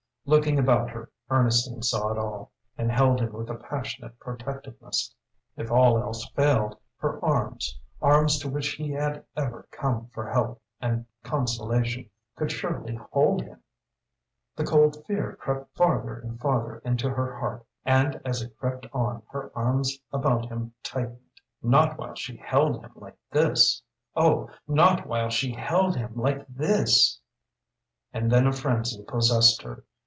Looking about her Ernestine saw it all, and held him with a passionate protectiveness. If all else failed, her arms arms to which he had ever come for help and consolation could surely hold him! The cold fear crept farther and farther into her heart, and as it crept on her arms about him tightened. Not while she held him like this! Oh not while she held him like this! And then a frenzy possessed her.